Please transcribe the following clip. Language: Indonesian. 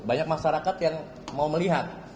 banyak masyarakat yang mau melihat